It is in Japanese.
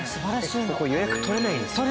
ここ予約取れないんですよね。